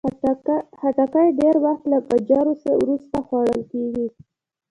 خټکی ډېر وخت له کجورو وروسته خوړل کېږي.